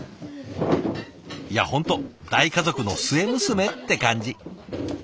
いや本当大家族の末娘って感じ！